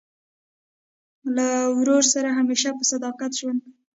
له ورور سره همېشه په صداقت ژوند کوئ!